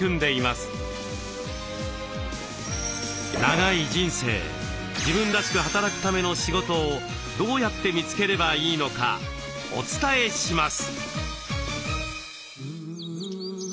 長い人生自分らしく働くための仕事をどうやって見つければいいのかお伝えします。